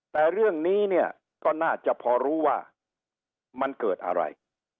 แต่เรื่องนี้เนี่ยก็น่าจะพอรู้ว่ามันเกิดอะไร